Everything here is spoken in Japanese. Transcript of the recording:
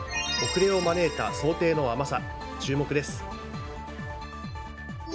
遅れを招いた想定の甘さ注目です。